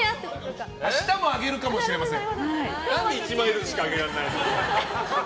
明日もあげるかもしれません。